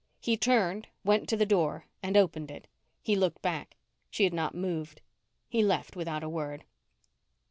He turned, went to the door, and opened it. He looked back. She had not moved. He left without a word.